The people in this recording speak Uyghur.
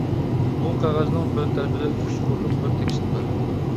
بۇ قەغەزنىڭ بىر تەرىپىدە ئۈچ قۇرلۇق بىر تېكىست بار.